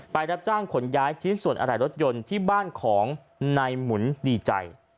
รับจ้างขนย้ายชิ้นส่วนอะไรรถยนต์ที่บ้านของนายหมุนดีใจ